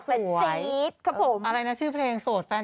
เอ่อคุณแทบเราเป็นครับผมอะไรนะชื่อเพลงโสดแฟน